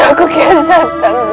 buat aku kiasatkan